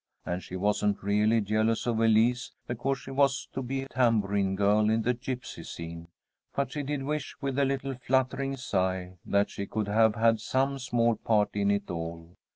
And she wasn't really jealous of Elise because she was to be tambourine girl in the gipsy scene, but she did wish, with a little fluttering sigh, that she could have had some small part in it all.